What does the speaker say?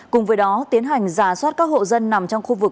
cùng với đó tiến hành giả soát các hộ dân nằm trong khu vực